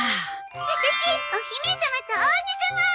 ワタシお姫様と王子様！